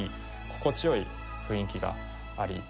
心地良い雰囲気があり。